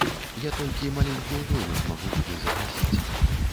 Я толькі маленькую долю змагу туды запрасіць.